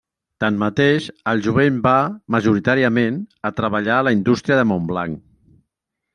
Tanmateix, el jovent va, majoritàriament, a treballar a la indústria de Montblanc.